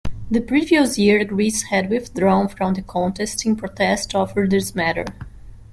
The previous year Greece had withdrawn from the contest in protest over this matter.